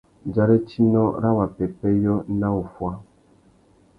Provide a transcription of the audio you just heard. Dzarétinô râ wa pêpêyô na wuffuá.